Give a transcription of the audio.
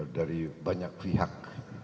dari banyak pihak